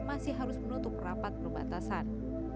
masih harus menutup rapat perbatasan